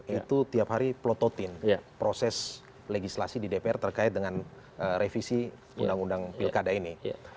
itu tiap hari pelototin proses legislasi di dpr terkait dengan revisi undang undang pilkada ini